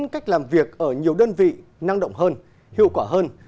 cách làm việc ở nhiều đơn vị năng động hơn